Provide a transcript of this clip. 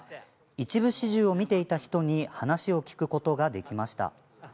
一部始終を見ていた人に話を聞くことができました。